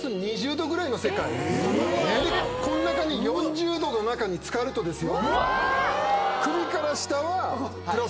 これでねこの中に４０℃の中に漬かるとですよ。